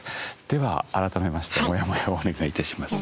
では改めましてモヤモヤをお願いいたします。